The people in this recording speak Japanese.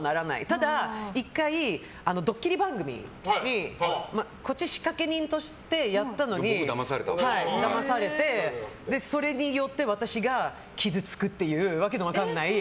ただ、１回、ドッキリ番組にこっち仕掛け人としてやったのにだまされて、それによって私が傷つくっていう訳の分からない。